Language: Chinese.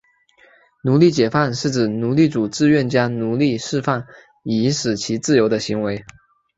奴隶解放是指奴隶主自愿将奴隶释放以使其自由的行为。